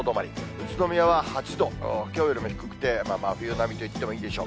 宇都宮は８度、きょうよりも低くて、真冬並みと言ってもいいでしょう。